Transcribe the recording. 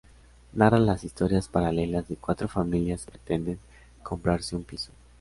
Narra las historias paralelas de cuatro familias que pretenden comprarse un piso.